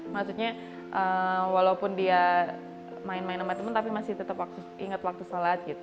maksudnya walaupun dia main main nembat temen tapi masih tetap inget waktu shalat